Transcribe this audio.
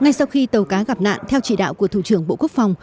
ngay sau khi tàu cá gặp nạn theo chỉ đạo của thủ trưởng bộ quốc phòng